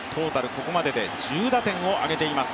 ここまでで１０打点を挙げています。